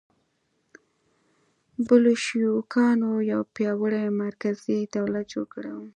بلشویکانو یو پیاوړی مرکزي دولت جوړ کړی و.